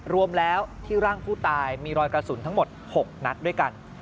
รวมแล้วที่ร่างผู้ตายมีรอยกระสุนทั้งหมด๖นัดด้วยกัน